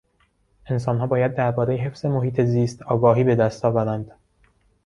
انسانها باید دربارهی حفظ محیط زیست آگاهی به دست آورند.